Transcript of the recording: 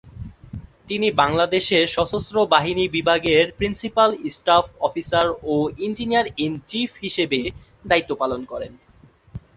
তিনি বাংলাদেশের সশস্ত্র বাহিনী বিভাগের প্রিন্সিপাল স্টাফ অফিসার ও ইঞ্জিনিয়ার ইন চিফ হিসেবে দায়িত্ব পালন করেন।